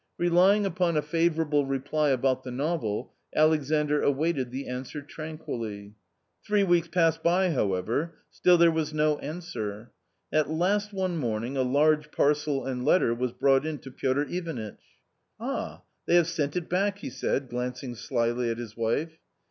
Relying upon a favourable reply about the novel, Alexandr awaited the answer tranquilly. Three weeks passed by, however, still there was no answer. At last one morning a large parcel and letter was brought in to Piotr Ivanitch. " Ah ! they have sent it back !" he said, glancing slyly at his wife.